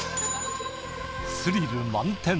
スリル満点